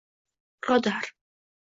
Birodar